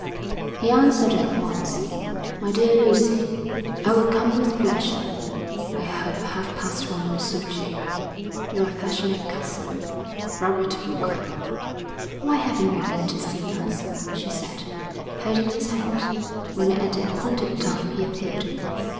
_ He answered at once. My Dear Lucy: I will come with pleasure. I hope half past one will suit you. Your affectionate cousin, Robert Boulger. 'Why haven't you been to see us?' she said, holding his hand, when at the appointed time he appeared.